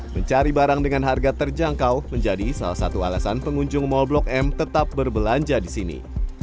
mencari barang dengan harga terjangkau menjadi salah satu alasan pengunjung mal blok m tetap berbelanja di sini